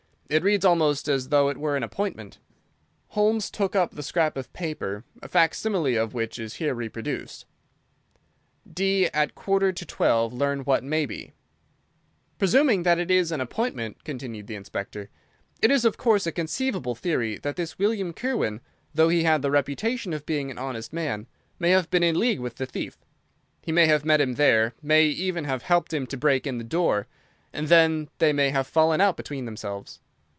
It reads almost as though it were an appointment." Holmes took up the scrap of paper, a facsimile of which is here reproduced. scrap of paper "Presuming that it is an appointment," continued the Inspector, "it is of course a conceivable theory that this William Kirwan—though he had the reputation of being an honest man, may have been in league with the thief. He may have met him there, may even have helped him to break in the door, and then they may have fallen out between themselves."